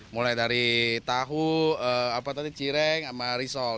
mulai dari tahu cireng sama risol